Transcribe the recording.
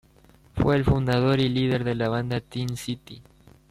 Fue el fundador y líder de la banda Ten City.